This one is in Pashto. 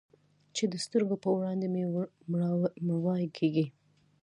چې د سترګو په وړاندې مې مړواې کيږي.